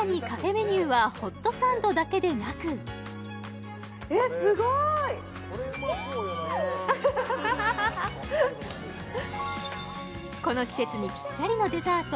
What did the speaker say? メニューはホットサンドだけでなくえっすごいこの季節にぴったりのデザート